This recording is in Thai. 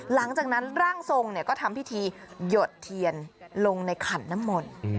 หลังจากนั้นร่างทรงก็ทำพิธีหยดเทียนลงในขันน้ำมนต์